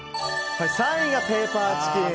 ３位がペーパーチキン。